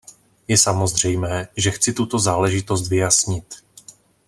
Je samozřejmé, že chci tuto záležitost vyjasnit.